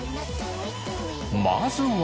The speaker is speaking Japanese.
まずは。